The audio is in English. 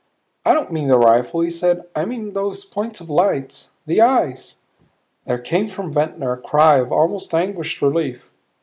"I don't mean the rifle," he said; "I mean those points of lights the eyes " There came from Ventnor a cry of almost anguished relief.